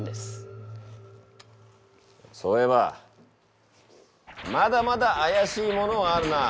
そういえばまだまだ怪しいものはあるな。